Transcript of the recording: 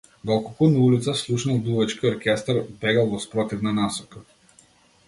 Доколку на улица слушнел дувачки оркестар, бегал во спротивна насока.